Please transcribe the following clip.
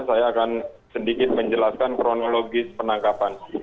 saya akan sedikit menjelaskan kronologis penangkapan